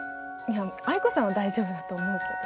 藍子さんは大丈夫だと思うけど。